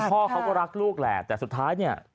คือพ่อก็รักลูกแหละแต่สุดท้ายนี่